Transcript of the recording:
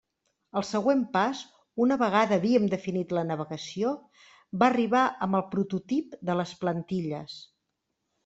El següent pas, una vegada havíem definit la navegació, va arribar amb el prototip de les plantilles.